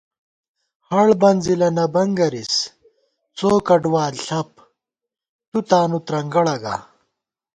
ہڑ بنزِلہ نہ بنگَرِس، څو کڈوال ݪَپ، تُو تانو ترنگَڑہ گا